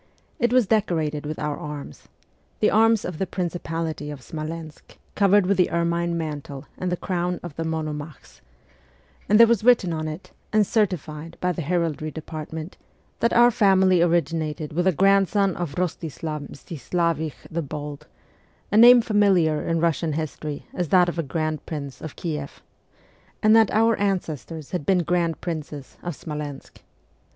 It was decorated with our arms the arms of the principality of Smolensk covered with the ermine mantle and the crown of the Monomachs and there was written on it, and certified by the Heraldry Department, that our family originated with a grandson of Rostislav Mstislavich the Bold (a name familiar in Kussian history as that of a Grand Prince of Kleff), and that our ancestors had been Grand Princes of Smolensk.